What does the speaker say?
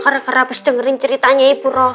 karena kerapis dengerin ceritanya ibu rosa